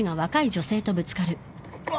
あっ！